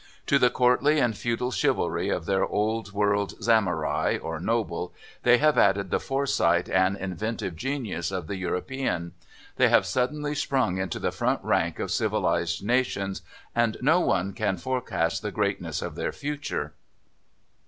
To the courtly and feudal chivalry of their old world Samurai, or Noble, they have added the foresight and inventive genius of the European. They have suddenly sprung into the front rank of civilized nations, and no one can forecast the greatness of their future.